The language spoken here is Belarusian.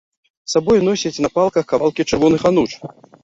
З сабою носяць на палках кавалкі чырвоных ануч.